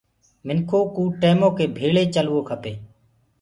منکو ڪو ٽيمو ڪي ڀيݪي چلوو کپي